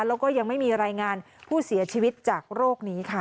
แล้วก็ยังไม่มีรายงานผู้เสียชีวิตจากโรคนี้ค่ะ